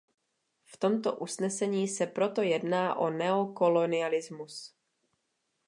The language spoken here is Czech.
V tomto usnesení se proto jedná o neokolonialismus.